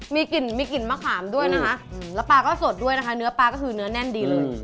มีกลิ่นมีกลิ่นมะขามด้วยนะคะแล้วปลาก็สดด้วยนะคะเนื้อปลาก็คือเนื้อแน่นดีเลย